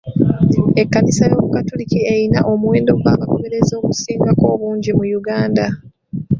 Ekkanisa y'obukatoliki erina omuwendo gw'abagoberezi ogusingako obungi mu Uganda.